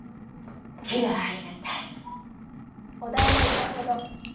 嫌いなタイプだお代はいかほど？